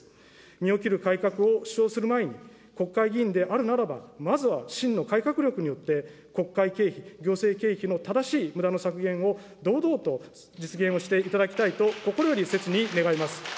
身を切る改革を主張する前に、国会議員であるならば、まずは真の改革力によって、国会経費、行政経費の正しいむだの削減を堂々と実現をしていただきたいと、心よりせつに願います。